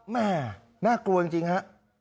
น่ากลัวจริงฮะ